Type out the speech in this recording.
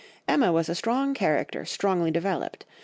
Emma was a strong character strongly developed.